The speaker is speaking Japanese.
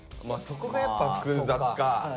まあそこがやっぱ複雑か。